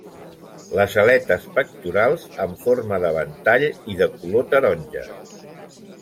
Les aletes pectorals en forma de ventall i de color taronja.